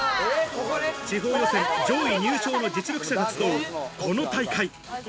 地方予選上位入賞の実力者が集う、この大会。